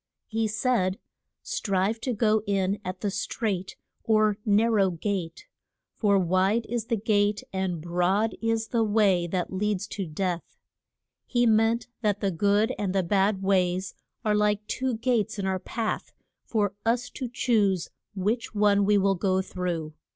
He said, Strive to go in at the strait, or nar row gate; for wide is the gate and broad is the way that leads to death. He meant that the good and the bad ways are like two gates in our path, for us to choose which one we will go through.